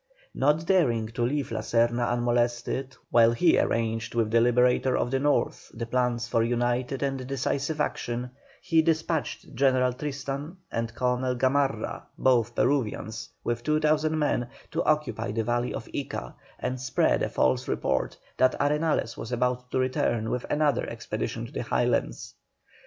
Not daring to leave La Serna unmolested while he arranged with the Liberator of the North the plans for united and decisive action, he despatched General Tristan and Colonel Gamarra, both Peruvians, with 2,000 men, to occupy the valley of Ica, and spread a false report that Arenales was about to return with another expedition to the Highlands.